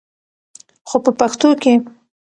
خو په پښتو کښې